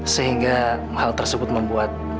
sehingga hal tersebut membuat